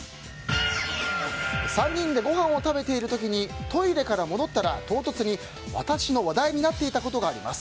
３人でごはんを食べている時にトイレから戻ったら唐突に私の話題になっていたことがあります。